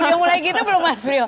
udah mulai gitu belum mas priyo